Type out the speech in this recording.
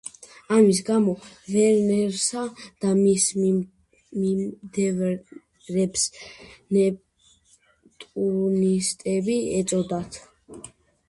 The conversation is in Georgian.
ამის გამო ვერნერსა და მის მიმდევრებს ნეპტუნისტები ეწოდათ.